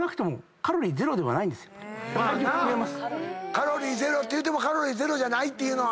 カロリーゼロっていうてもカロリーゼロじゃないっていうのは。